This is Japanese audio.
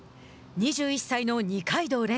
２１歳の二階堂蓮。